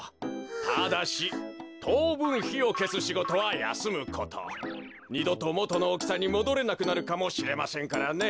ただしとうぶんひをけすしごとはやすむこと。にどともとのおおきさにもどれなくなるかもしれませんからね。